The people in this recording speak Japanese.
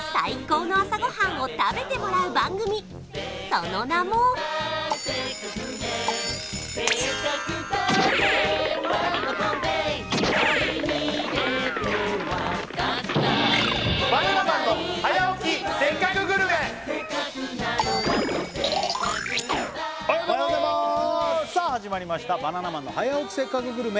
その名もおはようございますおはようございますさあ始まりました「バナナマンの早起きせっかくグルメ！！」